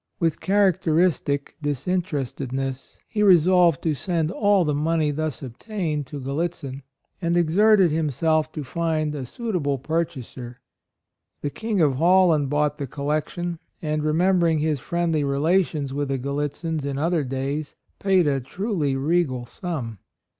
With characteristic disinterested ness he resolved to send all the money thus obtained to Gallitzin, and exerted himself to find a suitable purchaser. The King of Holland bought the collection; and, remembering his friendly relations with the 114 A ROYAL SON Gallitzins in other days, paid a truly regal sum.